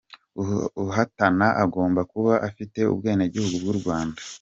Uhatana agomba kuba afite ubwenegihugu bw’u Rwanda .